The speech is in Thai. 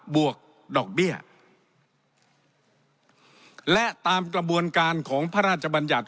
วกดอกเบี้ยและตามกระบวนการของพระราชบัญญัติ